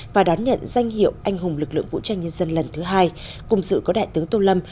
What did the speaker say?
và đón nhận danh hiệu anh hùng lực lượng vũ trang nhân dân lần thứ hai cùng dự có đại tướng tô lâm